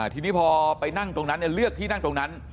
ทีนี้พอไปนั่งตรงนั้นเลือกที่นั่งตรงนั้น